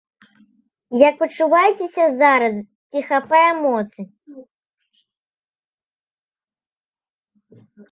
Як пачуваецеся зараз, ці хапае моцы?